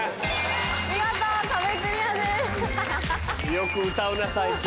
よく歌うな最近。